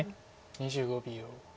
２５秒。